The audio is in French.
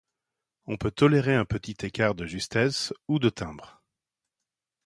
On peut tolérer un petit écart de justesse ou de timbre.